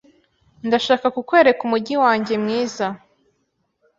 Ndashaka kukwereka umujyi wanjye mwiza.